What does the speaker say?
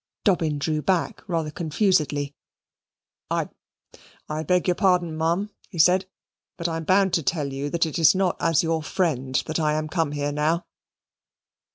Dobbin drew back rather confusedly, "I I beg your pardon, m'am," he said; "but I am bound to tell you that it is not as your friend that I am come here now."